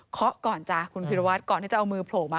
เคาะก่อนจ้าคุณภิรวัตรก่อนให้เจ้ามือโผล่มา